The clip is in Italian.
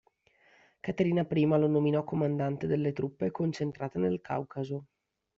Caterina I lo nominò comandante delle truppe concentrate nel Caucaso.